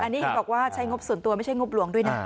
อันนี้เห็นบอกว่าใช้งบส่วนตัวไม่ใช่งบหลวงด้วยนะ